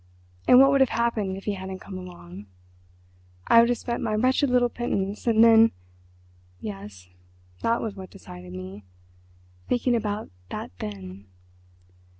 And what would have happened if he hadn't come along? I would have spent my wretched little pittance, and then—Yes, that was what decided me, thinking about that 'then.